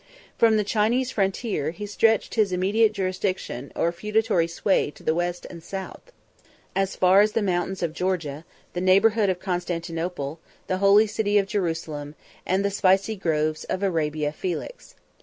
From the Chinese frontier, he stretched his immediate jurisdiction or feudatory sway to the west and south, as far as the mountains of Georgia, the neighborhood of Constantinople, the holy city of Jerusalem, and the spicy groves of Arabia Felix.